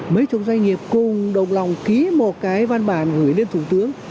mấy chục doanh nghiệp cùng đồng lòng ký một cái văn bản gửi lên thủ tướng